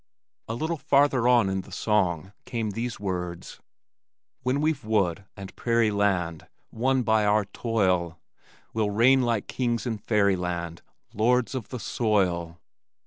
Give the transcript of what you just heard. A little farther on in the song came these words, When we've wood and prairie land, Won by our toil, We'll reign like kings in fairy land, Lords of the soil!